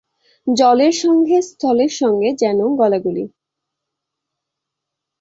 জলের সঙ্গে স্থলের সঙ্গে যেন গলাগলি।